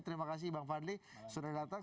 terima kasih bang fadli sudah datang